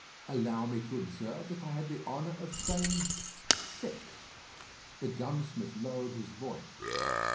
"Allow me to observe that I had the honour of saying six." The gunsmith lowered his voice.